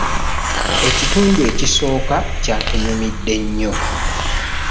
Ekitundu ekisooka kyatunyumidde nnyo.